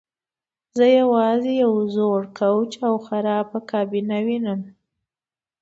زه یوازې یو زوړ کوچ او خرابه کابینه وینم